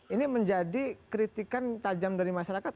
ini menjadi kritikan tajam dari masyarakat